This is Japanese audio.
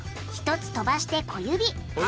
１つ飛ばして小指小指！